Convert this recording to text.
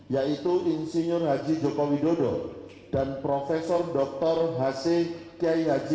yaitu insinyur haji joko widodo dan prof dr hase kiai haji